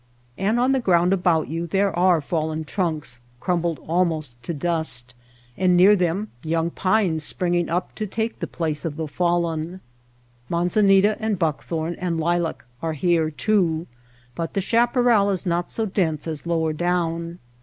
And on the ground about you there are fallen trunks, crumbled almost to dust, and near them young pines springing up to take the place of the fallen. Manzanita and buckthorn and lilac are here, too ; but the chaparral is not so dense as lower down.